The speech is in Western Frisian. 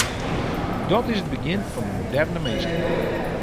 Dat is it begjin fan de moderne minske.